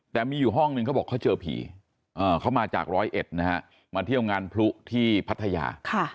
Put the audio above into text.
แต่มีอยู่ห้องนึงเขาบอกเขาเจอผีเขามาจากร้อยเอ็ดนะฮะมาเที่ยวงานพลุที่พัทยา